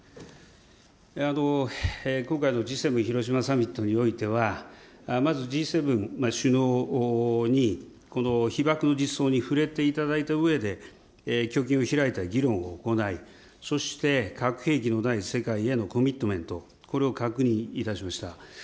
今回のＧ７広島サミットにおいては、まずＧ７首脳に被爆の実相に触れていただいたうえで、胸襟を開いた議論を行い、そして核兵器のない世界へのコミットメント、これを確認いたしました。